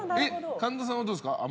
神田さんはどうですか？